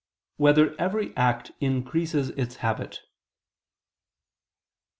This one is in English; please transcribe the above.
3] Whether Every Act Increases Its Habit?